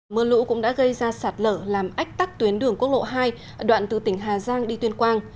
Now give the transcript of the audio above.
mưa lũ cũng đã gây ra sạt lở làm ách tắc tuyến đường quốc lộ hai ở đoạn từ tỉnh hà giang đi tuyên quang